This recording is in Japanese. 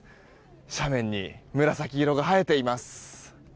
斜面に紫色が映えています。